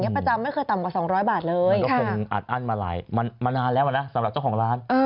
นี่แหละค่ะเขาบอกทุกทีเขาก็ซื้อกาแฟแก้ว๒แก้ว